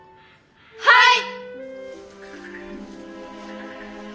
はい！